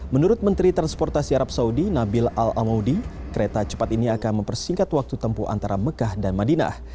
menurut menteri transportasi arab saudi nabil al amaudi kereta cepat ini akan mempersingkat waktu tempuh antara mekah dan madinah